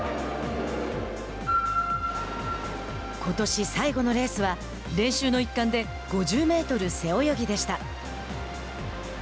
ことし最後のレースは練習の一環で５０メートル背泳ぎでした。